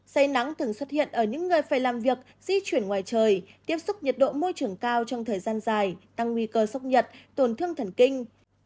say nắng thường xuất hiện ở những người phải làm việc di chuyển ngoài trời tiếp xúc nhiệt độ môi trường cao trong thời gian dài tăng nguy cơ sốc nhiệt tổn thương thần kinh